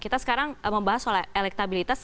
kita sekarang membahas soal elektabilitas